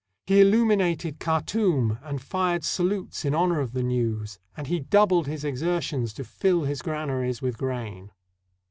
He illuminated Khartoum and fired salutes in honor of the news, and he doubled his exertions to fill his granaries with grain.